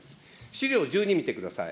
資料１２見てください。